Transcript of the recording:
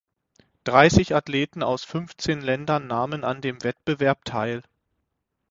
Dreißig Athleten aus fünfzehn Ländern nahmen an dem Wettbewerb teil.